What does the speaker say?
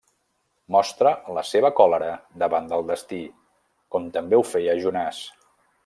Mostra la seva còlera davant del destí, com també ho feia Jonàs.